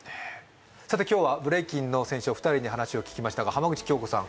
さて今日はブレイキンの選手お二人に話を聞きましたが浜口京子さん